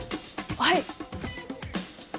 はい。